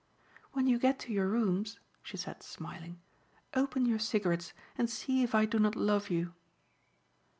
"When you get to your rooms," she said, smiling, "open your cigarettes and see if I do not love you."